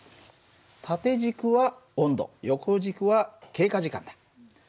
縦軸は温度横軸は経過時間だ。